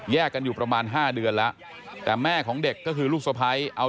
อย่าอย่าอย่าอย่าอย่าอย่าอย่าอย่าอย่าอย่าอย่าอย่าอย่าอย่า